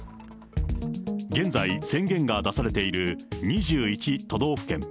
現在、宣言が出されている２１都道府県。